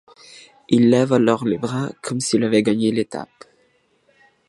Il lève alors les bras comme s'il avait gagné l'étape.